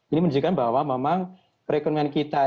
ini menunjukkan bahwa memang perekonomian kita